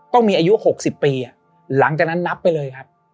ต้องมีอายุ๖๐ปีหลังจากนั้นนับไปเลยครับ